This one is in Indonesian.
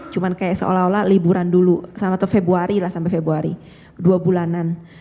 cuma kayak seolah olah liburan dulu sama atau februari lah sampai februari dua bulanan